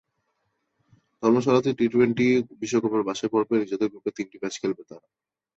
ধর্মশালাতেই T twenty বিশ্বকাপের বাছাই পর্বে নিজেদের গ্রুপের তিনটি ম্যাচ খেলবে তারা।